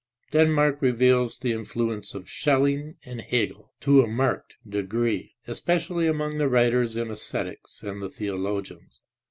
Den mark reveals the influence of Schdling and Hegel to a marked degree, especially among the writers in aesthetics and the theologians.